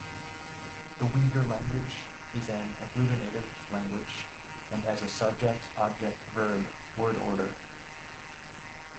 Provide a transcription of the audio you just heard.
The Uyghur language is an agglutinative language and has a subject-object-verb word order.